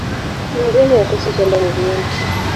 Kuku mgeni hakosi kamba mguuni